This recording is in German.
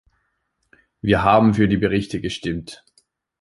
Wir haben für die Berichte gestimmt.